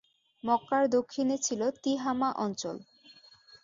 মক্কার দক্ষিণে ছিল তিহামা অঞ্চল।